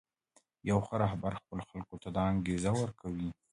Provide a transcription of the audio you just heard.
یو ښه رهبر خپلو خلکو ته دا انګېزه ورکوي.